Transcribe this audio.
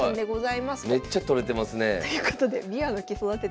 めっちゃ採れてますねえ。ということでびわの木育ててると。